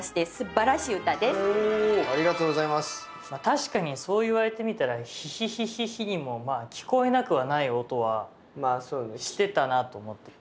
確かにそう言われてみたら「ヒヒヒヒヒ」にも聞こえなくはない音はしてたなと思った。